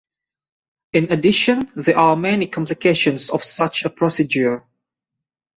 In addition, there are many complications of such a procedure.